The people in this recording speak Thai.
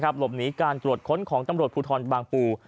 หลบหนีการตรวจค้นของตำรวจภูทรบางปู